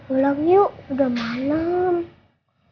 bentar lagi opa sama om lruy akan dateng